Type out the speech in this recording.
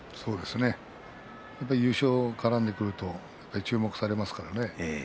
優勝が絡んでくると注目されますからね。